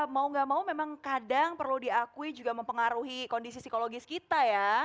jadi memang kadang perlu diakui juga mempengaruhi kondisi psikologis kita ya